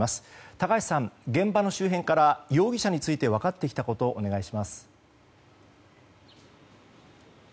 高橋さん、現場の周辺から容疑者について分かってきたことをお願いします。